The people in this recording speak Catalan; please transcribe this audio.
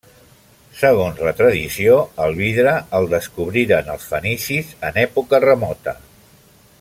Segons la tradició, el vidre el descobriren els fenicis en època remota.